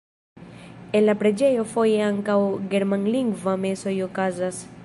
En la preĝejo foje ankaŭ germanlingvaj mesoj okazas.